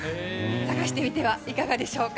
探してみてはいかがでしょうか？